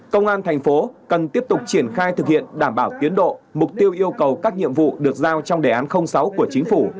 công an thành phố cần tiếp tục triển khai thực hiện đảm bảo tiến độ mục tiêu yêu cầu các nhiệm vụ được giao trong đề án sáu của chính phủ